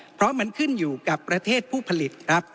เพราะมันขึ้นอยู่กับประเทศผู้ผลิตครับ